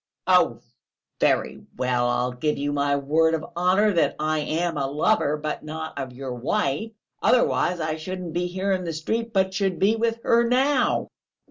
"Oh, very well, I'll give you my word of honour that I am a lover, but not of your wife; otherwise I shouldn't be here in the street, but should be with her now!"